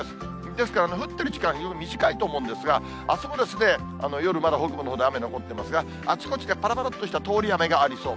ですから降ってる時間、非常に短いと思うんですが、あすも夜、まだ北部のほうで雨残ってますが、あちこちでぱらぱらっとした通り雨がありそう。